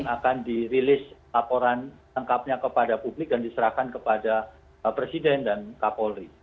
akan dirilis laporan lengkapnya kepada publik dan diserahkan kepada presiden dan kapolri